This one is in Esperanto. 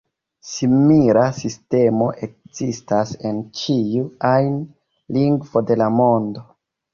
Simila sistemo ekzistas en ĉiu ajn lingvo de la mondo.